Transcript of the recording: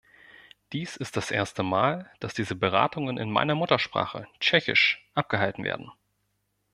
Dies ist das erste Mal, dass diese Beratungen in meiner Muttersprache, Tschechisch, abgehalten werden.